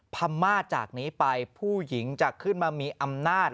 พม่าจากนี้ไปผู้หญิงจะขึ้นมามีอำนาจ